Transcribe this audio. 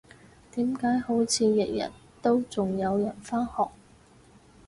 點解好似日日都仲有人返學？